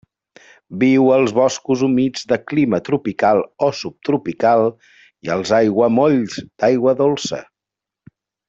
Viu als boscos humits de clima tropical o subtropical i als aiguamolls d'aigua dolça.